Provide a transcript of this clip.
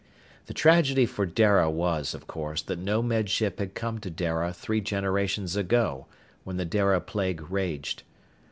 The tragedy for Dara was, of course, that no Med Ship had come to Dara three generations ago, when the Dara plague raged.